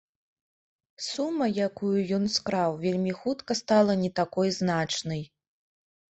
Сума, якую ён скраў, вельмі хутка стала не такой значнай.